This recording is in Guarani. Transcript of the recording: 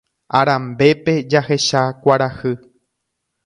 Arambépe jahecha kuarahy